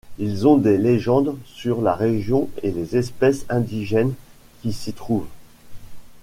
Ils ont des légendes sur la région et les espèces indigènes qui s'y trouvent.